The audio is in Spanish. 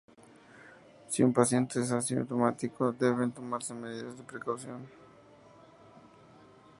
Si un paciente es asintomático, deben tomarse medidas de precaución.